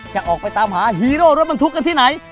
จะออกไปตามหาฮีโร่รถบรรทุกกันที่ไหน